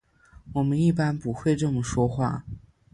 我们一般不会这么说话。